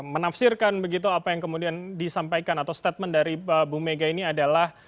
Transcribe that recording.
menafsirkan begitu apa yang kemudian disampaikan atau statement dari bu mega ini adalah